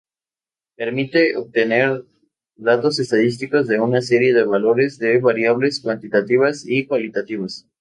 Permite obtener datos estadísticos de una serie de valores de variables cuantitativas y cualitativas.